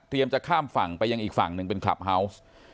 จะข้ามฝั่งไปยังอีกฝั่งหนึ่งเป็นคลับเฮาวส์